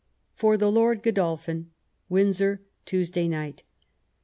"For the Lord Oodolphin. "Windsor, Tuesday night.